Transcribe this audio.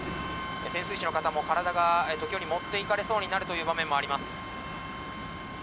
潜水士の方も体が、時折持っていかれそうになるという場面もあります。